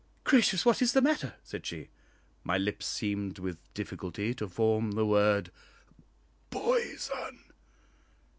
"Gracious, what is the matter?" said she. My lips seemed with difficulty to form the word "poison."